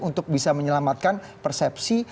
untuk bisa menyelamatkan persepsi